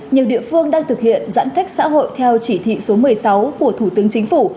nhiều địa phương đang thực hiện giãn cách xã hội theo chỉ thị số một mươi sáu của thủ tướng chính phủ